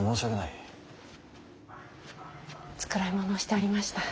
繕い物をしておりました。